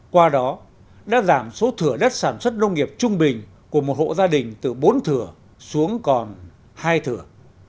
qua đó đã giảm số thừa đất sản xuất nông nghiệp trung bình của một hộ gia đình từ bốn thừa xuống còn hai thừa